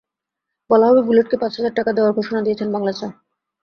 বলা হবে, বুলেটকে পাঁচ হাজার টাকা দেওয়ার ঘোষণা দিয়েছেন বাংলা স্যার।